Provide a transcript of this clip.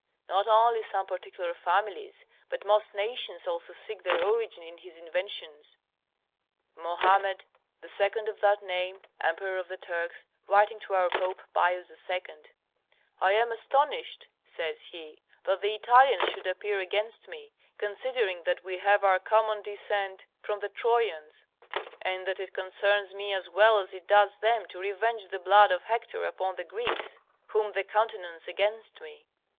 Not only some particular families, but most nations also seek their origin in his inventions. Mohammed, the second of that name, emperor of the Turks, writing to our Pope Pius II., "I am astonished," says he, "that the Italians should appear against me, considering that we have our common descent from the Trojans, and that it concerns me as well as it does them to revenge the blood of Hector upon the Greeks, whom they countenance against me."